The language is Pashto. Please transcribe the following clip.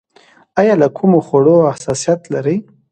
ایا له کومو خوړو حساسیت لرئ؟